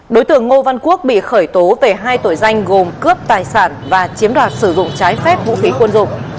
đối tượng ngô văn quốc bị khởi tố về hai tội danh gồm cướp tài sản và chiếm đoạt sử dụng trái phép vũ khí quân dụng